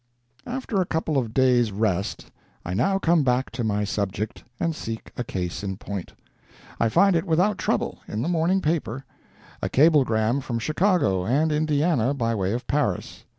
After a couple of days' rest I now come back to my subject and seek a case in point. I find it without trouble, in the morning paper; a cablegram from Chicago and Indiana by way of Paris.